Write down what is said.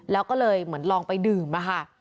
แล้วก็เลยเหมือนลองไปดื่มอะค่ะ